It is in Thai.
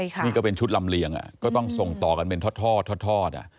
นี่ก็เป็นชุดลำเลียงก็ต้องส่งต่อกันเป็นทอด